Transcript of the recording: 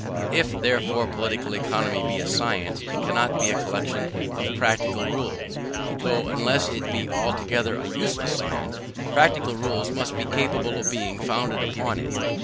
If, therefore, Political Economy be a science, it cannot be a collection of practical rules; though, unless it be altogether a useless science, practical rules must be capable of being founded upon it.